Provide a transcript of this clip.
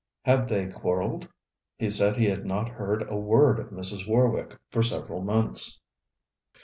Had they quarrelled? He said he had not heard a word of Mrs. Warwick for several months.